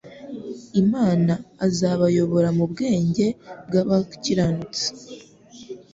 Imana azabayobora mu bwenge bw'abakiranutsi,